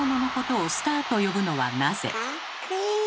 かっこいい！